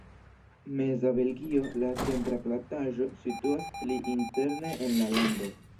Meza Belgio, la centra plataĵo, situas pli interne en la lando.